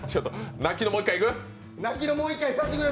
泣きのもう一回いく？